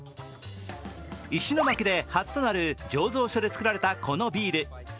石巻で初となる醸造所で作られたこのビール。